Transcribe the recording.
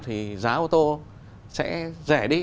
thì giá ô tô sẽ rẻ đi